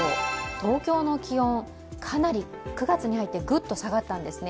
東京の気温、かなり９月に入ってぐっと下がったんですね。